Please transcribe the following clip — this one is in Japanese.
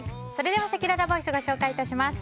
では、せきららボイスご紹介します。